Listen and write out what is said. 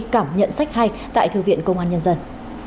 cảm nhận sách hay tại thư viện công an nhân dân